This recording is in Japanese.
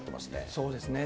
そうですね。